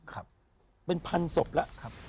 มันเป็นพันสมบละ